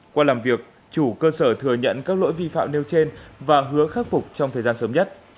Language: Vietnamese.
qua làm việc chủ cơ sở thừa nhận các lỗi vi phạm nêu trên và hứa khắc phục trong thời gian sớm nhất